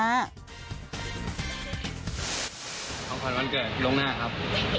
ของขวัญวันเกิดล่วงหน้าครับ